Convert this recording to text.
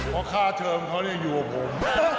เพราะค่าเทิมเขาอยู่กับผม